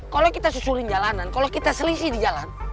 kalau kita susulin jalanan kalau kita selisih di jalan